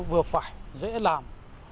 vừa phải dễ làm